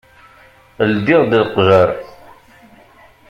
Ldiɣ-d leqjer.